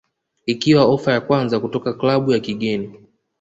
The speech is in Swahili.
ikiwa ofa ya kwanza kutoka klabu ya kigeni